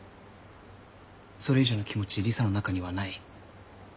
それ以上の気持ち理沙の中にはない？